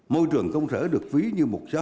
môi trường công sở được phí như một giá